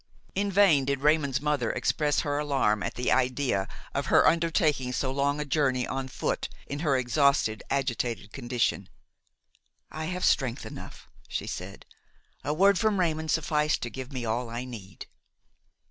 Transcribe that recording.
In vain did Raymon's mother express her alarm at the idea of her undertaking so long a journey on foot in her exhausted, agitated condition. "I have strength enough," she said; "a word from Raymon sufficed to give me all I need."